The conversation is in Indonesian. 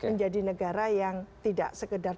menjadi negara yang tidak sekedar